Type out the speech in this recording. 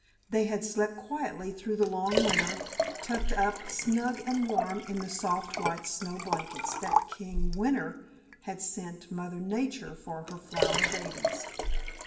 They had slept quietly through the long winter, tucked up snug and warm in the soft, white snow blankets that King Winter had sent Mother Nature for her flower babies.